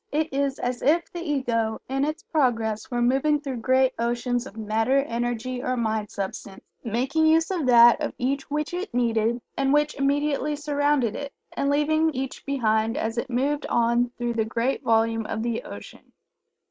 It is as if the Ego in its progress were moving through great oceans of Matter, Energy, or Mind substance, making use of that of each which it needed and which immediately surrounded it, and leaving each behind as it moved on through the great volume of the ocean.